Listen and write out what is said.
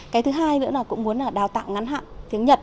cái thứ hai nữa là cũng muốn là đào tạo ngắn hạn tiếng nhật